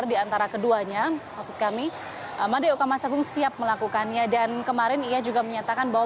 di antara keduanya maksud kami made okamasagung siap melakukannya dan kemarin ia juga menyatakan bahwa